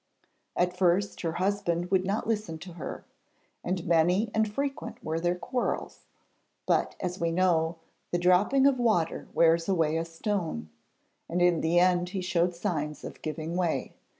At first her husband would not listen to her, and many and frequent were their quarrels; but, as we know, 'the dropping of water wears away a stone,' and in the end he showed signs of giving way.